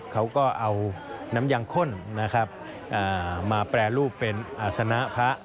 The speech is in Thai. เขาก็เอาน้ำยังข้นนะครับมาแปรรูปเป็นอาศนะพระ